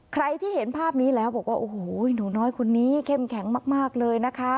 ใครที่เห็นภาพนี้แล้วบอกว่าโอ้โหหนูน้อยคนนี้เข้มแข็งมากเลยนะคะ